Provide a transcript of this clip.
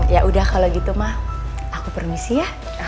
ya udah kalau gitu mah aku permisi ya